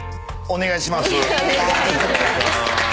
お願いします。